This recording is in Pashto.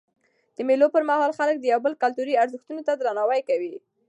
د مېلو پر مهال خلک د یو بل کلتوري ارزښتو ته درناوی کوي.